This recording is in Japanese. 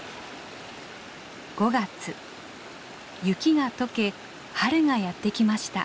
雪が解け春がやって来ました。